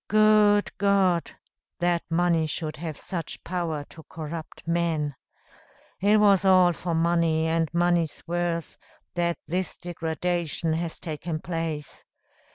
Good God! that money should have such power to corrupt men. It was all for money, and money's worth, that this degradation has taken place.